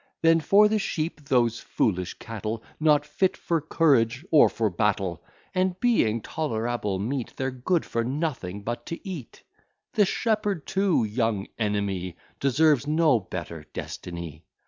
Then for the sheep, those foolish cattle, Not fit for courage, or for battle; And being tolerable meat, They're good for nothing but to eat. The shepherd too, young enemy, Deserves no better destiny.